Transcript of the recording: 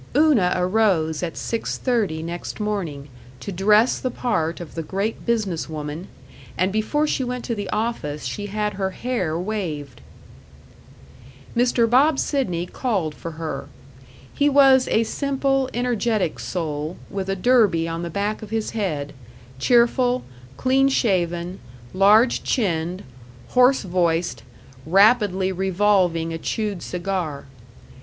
Una arose at six thirty next morning, to dress the part of the great business woman, and before she went to the office she had her hair waved. Mr. Bob Sidney called for her. He was a simple, energetic soul, with a derby on the back of his head, cheerful, clean shaven, large chinned, hoarse voiced, rapidly revolving a chewed cigar.